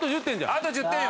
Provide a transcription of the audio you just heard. あと１０点よ？